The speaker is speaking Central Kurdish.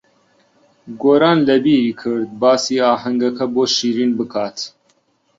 گۆران لەبیری کرد باسی ئاهەنگەکە بۆ شیرین بکات.